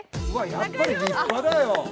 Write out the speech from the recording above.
やっぱり立派だよ。